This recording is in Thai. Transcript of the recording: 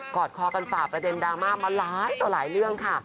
อดคอกันฝ่าประเด็นดราม่ามาหลายต่อหลายเรื่องค่ะ